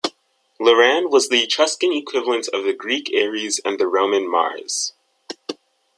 Laran was the Etruscan equivalent of the Greek Ares and the Roman Mars.